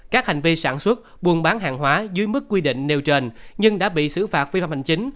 các hành vi sản xuất buôn bán hàng hóa dưới mức quy định nêu trên nhưng đã bị xử phạt phi phạm hành chính